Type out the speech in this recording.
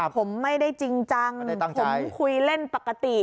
ผมไม่ได้จริงจังผมคุยเล่นปกติ